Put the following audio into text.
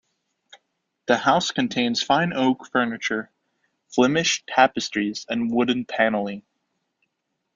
The house contains fine oak furniture, Flemish tapestries and wooden panelling.